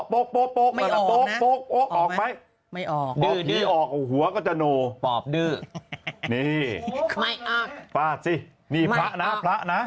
ป่พี่ออกเอาหัวก็จะโนน่า